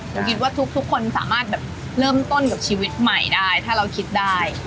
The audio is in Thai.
เราคิดว่าทุกคนสามารถแบบเริ่มต้นกับชีวิตใหม่ได้ถ้าเราคิดได้